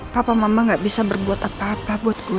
papa mama gak bisa berbuat apa apa buat gue